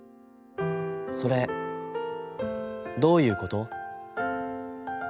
『それ、どういうこと』。